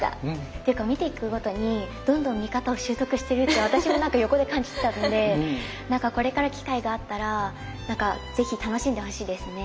っていうか見ていくごとにどんどん見方を習得してるって私も何か横で感じてたんでこれから機会があったら是非楽しんでほしいですね。